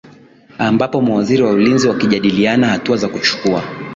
ambapo mawaziri wa ulinzi wakijadiliana hatua za kuchukua